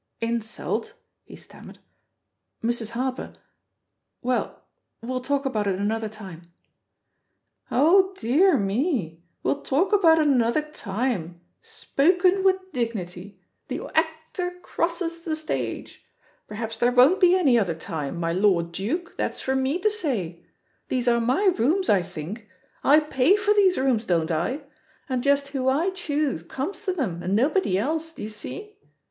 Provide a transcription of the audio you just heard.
"Insult?" he stammered. "Mrs. Harper ..• Well, we'll talk about it another time." "Oh, dear me I *We'll talk about it another time' — spoken with dignity — the actor crosses the stage I Perhaps there won't be any *other ,THE POSITION OF PEGGY HARPER 125 June/ my lord duke ; that's for me to say. These are my rooms, I think? I pay for these rooms, don't I? — and just who I choose comes to them, and nobody else. D'ye see?"